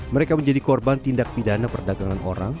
mereka menjadi korban tindak pidana perdagangan orang